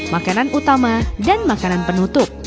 makanan utama dan makanan penutup